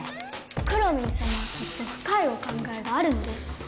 くろミンさまはきっとふかいお考えがあるのです。